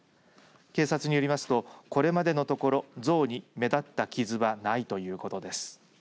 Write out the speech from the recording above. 警察によりますとこれまでのところ像に目立った傷はないということです。